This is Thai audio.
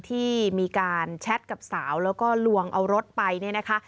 ที่มีการแชทกับสาวแล้วก็ลวงเอารถไปเนี่ยนะคะ